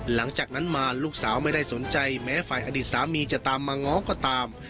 หลังจากนั้นมาลูกสาวไม่ได้สนใจแม้ฝ่ายอดีตสามีจะตามมาง้อก็ตาม